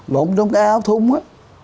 lộn trong cái áo thun á